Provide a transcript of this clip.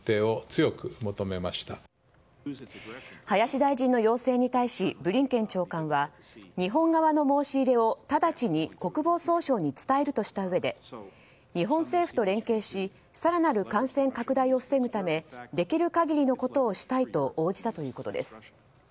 林大臣の要請に対しブリンケン長官は日本側の申し入れを直ちに国防総省に伝えるとしたうえで日本政府と連携し更なる感染拡大を防ぐため防ぐためできる限りのことをしたいと応じたということです。